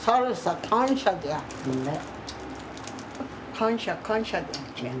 感謝感謝だ。